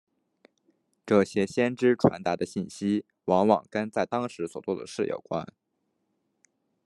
这些先知传达的信息往往跟在当时所做的事有关。